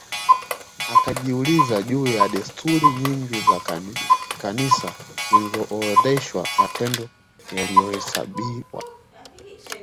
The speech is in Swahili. Akajiuliza juu ya desturi nyingi za Kanisa lililoorodhesha matendo yaliyohesabiwa